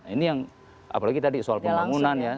ini yang apalagi tadi soal pembangunan ya